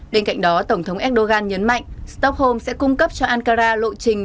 bên cạnh đó tổng thống erdogan nhấn mạnh stockholm sẽ cung cấp cho ankara lộ trình